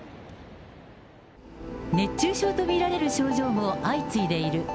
熱中症と見られる症状も相次いでいる。